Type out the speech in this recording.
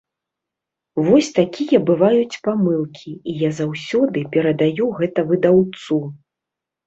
Вось такія бываюць памылкі, і я заўсёды перадаю гэта выдаўцу.